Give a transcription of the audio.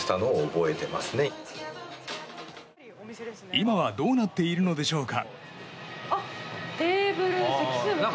今はどうなっているのでしょうか。